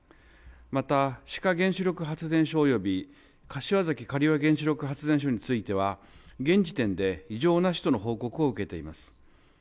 また、志賀原子力発電所及び柏崎刈羽原子力発電所については現時点で異常なしとの報告を受けています。